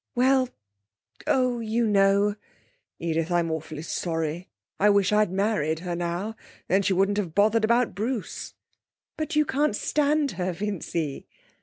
'Well oh, you know ' 'Edith, I'm awfully sorry; I wish I'd married her now, then she wouldn't have bothered about Bruce.' 'But you can't stand her, Vincy.'